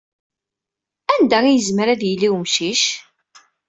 Anida yezmer ad yili wemcic?